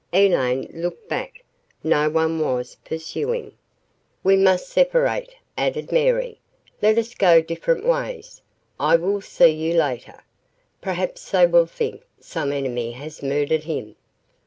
Elaine looked back. No one was pursuing. "We must separate," added Mary. "Let us go different ways. I will see you later. Perhaps they will think some enemy has murdered him."